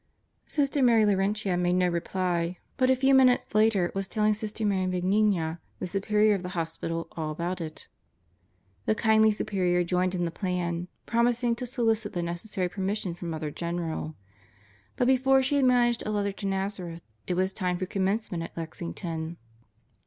..." Sister Mary Laurentia made no reply, but a few minutes later was telling Sister Mary Benigna, the superior of the hospital, all about it. The kindly Superior joined in the plan, promising to solicit the necessary permission from Mother General. But before she had managed a letter to Nazareth, it was time for commencement at Lexington.